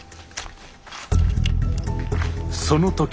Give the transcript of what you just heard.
その時。